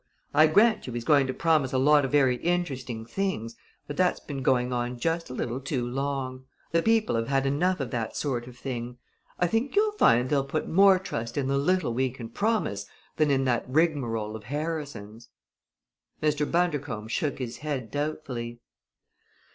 I grant you he's going to promise a lot of very interesting things, but that's been going on just a little too long. The people have had enough of that sort of thing. I think you'll find they'll put more trust in the little we can promise than in that rigmarole of Harrison's." Mr. Bundercombe shook his head doubtfully.